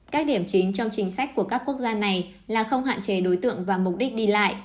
các điểm chính trong chính sách của các quốc gia này là không hạn chế đối tượng và mục đích đi lại